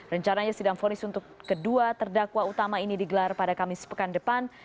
rencananya sidang fonis untuk kedua terdakwa utama ini digelar pada kamis pekan depan